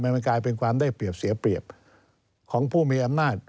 มันกลายเป็นความได้เปรียบเสียเปรียบของผู้มีอำนาจ